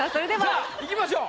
さぁいきましょう。